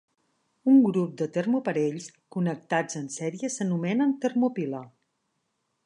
Un grup de termoparells connectats en sèrie s'anomena termopila.